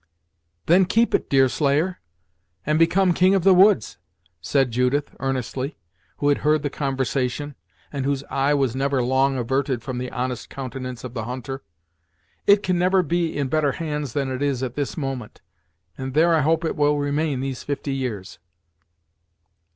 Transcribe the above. "Then keep it, Deerslayer, and become King of the Woods," said Judith, earnestly, who had heard the conversation, and whose eye was never long averted from the honest countenance of the hunter. "It can never be in better hands than it is, at this moment, and there I hope it will remain these fifty years.